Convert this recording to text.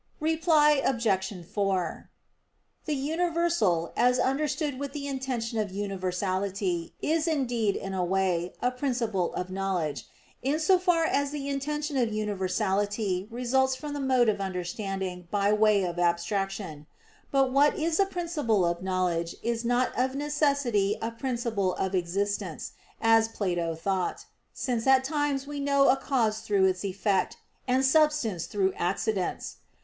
Reply Obj. 4: The universal, as understood with the intention of universality, is, indeed, in a way, a principle of knowledge, in so far as the intention of universality results from the mode of understanding by way of abstraction. But what is a principle of knowledge is not of necessity a principle of existence, as Plato thought: since at times we know a cause through its effect, and substance through accidents.